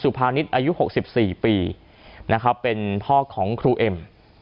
สุภานิษฐ์อายุ๖๔ปีเป็นพ่อของครูเอ็ม